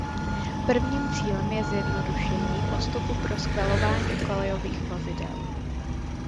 Prvním cílem je zjednodušení postupu pro schvalování kolejových vozidel.